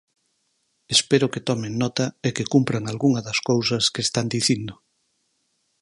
Espero que tomen nota e que cumpran algunha das cousas que están dicindo.